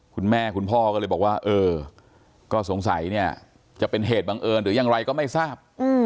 คุณพ่อก็เลยบอกว่าเออก็สงสัยเนี่ยจะเป็นเหตุบังเอิญหรือยังไรก็ไม่ทราบ